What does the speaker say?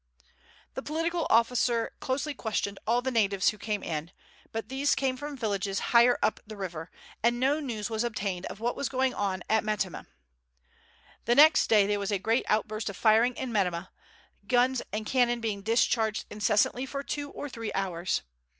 The political officer closely questioned all the natives who came in, but these came from villages higher up the river, and no news was obtained of what was going on at Metemmeh. The next day there was a great outburst of firing in Metemmeh, guns and cannon being discharged incessantly for two or three hours.